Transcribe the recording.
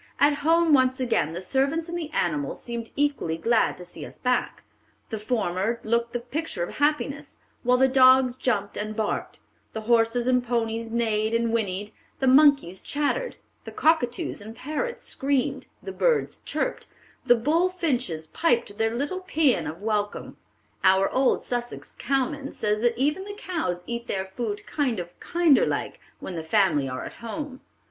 At home once again, the servants and the animals seemed equally glad to see us back; the former looked the picture of happiness, while the dogs jumped and barked; the horses and ponies neighed and whinnied; the monkeys chattered; the cockatoos and parrots screamed; the birds chirped; the bullfinches piped their little paean of welcome.... Our old Sussex cowman says that even the cows eat their food 'kind of kinder like' when the family are at home.